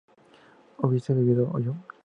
¿hubiese vivido yo?